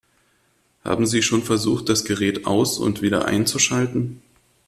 Haben Sie schon versucht, das Gerät aus- und wieder einzuschalten?